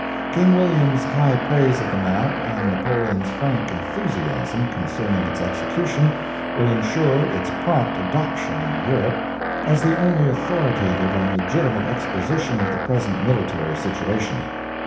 King William's high praise of the map and Napoleon's frank enthusiasm concerning its execution will ensure its prompt adoption in Europe as the only authoritative and legitimate exposition of the present military situation.